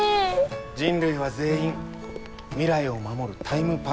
人類は全員未来を守るタイムパトローラーなんだ。